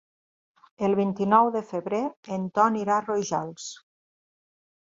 El vint-i-nou de febrer en Ton irà a Rojals.